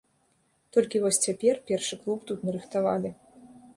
Толькі вось цяпер першы клуб тут нарыхтавалі.